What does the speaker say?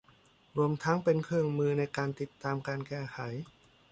รวมทั้งเป็นเครื่องมือในการติดตามการแก้ไข